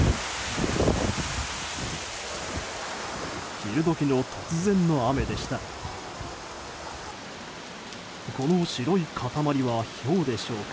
昼時の突然の雨でした。